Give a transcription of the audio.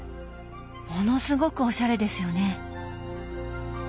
ものすごくおしゃれですよね！